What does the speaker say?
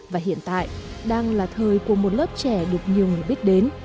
và hiện tại đang là thời của một lớp trẻ được nhiều người biết đến